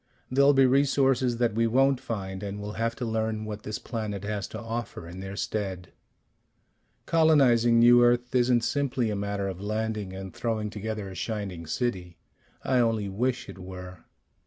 There'll be resources that we won't find, and we'll have to learn what this planet has to offer in their stead. Colonizing New Earth isn't simply a matter of landing and throwing together a shining city. I only wish it were.